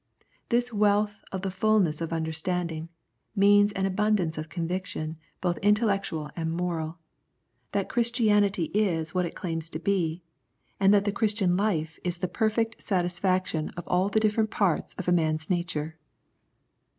This wealth of the fulness of " understanding " means an abund ance of conviction, both intellectual and moral, that Christianity is what it claims to 84 Conflict and Comfort be, and that the Christian life is the perfect satisfaction of all the different parts of man's nature.